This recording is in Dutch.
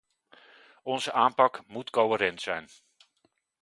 Onze aanpak moet coherent zijn.